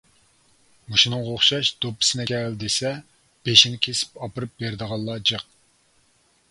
مۇشۇنىڭغا ئوخشاش «دوپپىسىنى ئەكەل» دېسە، بېشىنى كېسىپ ئاپىرىپ بېرىدىغانلار جىق.